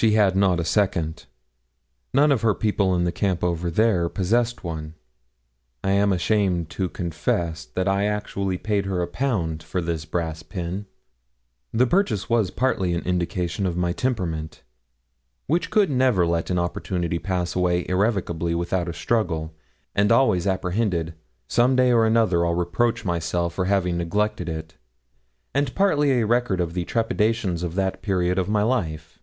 She had not a second. None of her people in the camp over there possessed one. I am ashamed to confess that I actually paid her a pound for this brass pin! The purchase was partly an indication of my temperament, which could never let an opportunity pass away irrevocably without a struggle, and always apprehended 'Some day or other I'll reproach myself for having neglected it!' and partly a record of the trepidations of that period of my life.